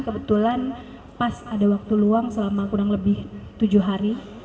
kebetulan pas ada waktu luang selama kurang lebih tujuh hari